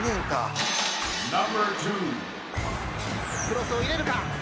クロスを入れるか？